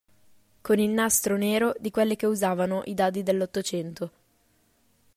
Con il nastro nero di quelle che usavano i dadi dell'Ottocento.